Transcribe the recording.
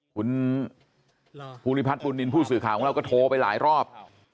คุณภูมิพัทรปุณณินผู้สื่อข่าวของเราก็โทรไปหลายรอบ